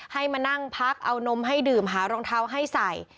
ให้มานั่งพักเอานมให้ดื่มหารองเท้าให้ใส่